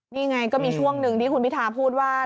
นี่ไงก็มีช่วงหนึ่งที่คุณพิทาพูดว่า